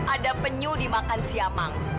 ada penyu dimakan siamang